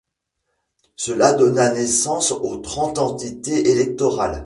Cela donna naissance aux trente entités électorales.